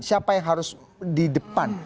siapa yang harus di depan